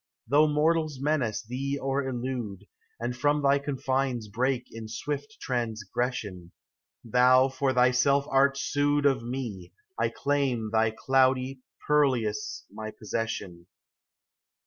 Though mortals menace thee or elude, And from thy confines break in swift transgression, Thou for thyself art sued Of me, I claim thy cloudy purlieus my possession.